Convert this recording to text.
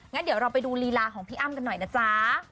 งั้นเดี๋ยวเราไปดูลีลาของพี่อ้ำกันหน่อยนะจ๊ะ